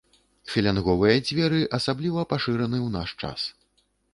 Філянговыя дзверы асабліва пашыраны ў наш час.